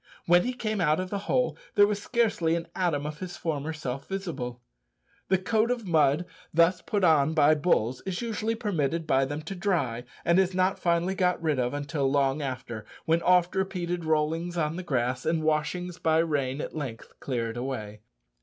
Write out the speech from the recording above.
When he came out of the hole there was scarcely an atom of his former self visible! The coat of mud thus put on by bulls is usually permitted by them to dry, and is not finally got rid of until long after, when oft repeated rollings on the grass and washings by rain at length clear it away.